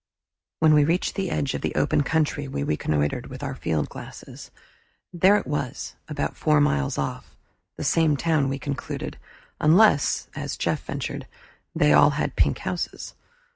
When we reached the edge of the open country we reconnoitered with our field glasses. There it was, about four miles off, the same town, we concluded, unless, as Jeff ventured, they all had pink houses.